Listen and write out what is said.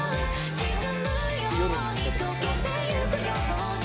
「沈むように溶けてゆくように」